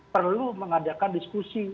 perlu mengadakan diskusi